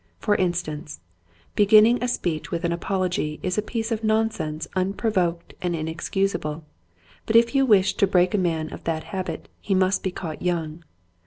For instance, beginning a speech with an apology is a piece of nonsense un provoked and inexcusable, but if you wish to break a man of that habit he must be caught young.